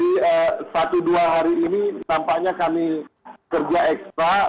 jadi satu dua hari ini tampaknya kami kerja ekstra